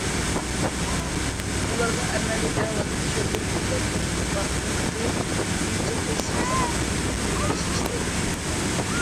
ئۇلارغا ئەمەلىي ئەھۋالنى چۈشەندۈرۈپ، مىللەتلەر ئىتتىپاقلىقى بويىچە تەشۋىقات خىزمىتىنى ياخشى ئىشلەيمىز.